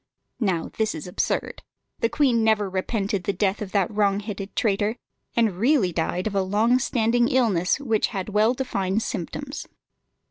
Now this is absurd. The queen never repented the death of that wrongheaded traitor, and really died of a long standing disease which had well defined symptoms.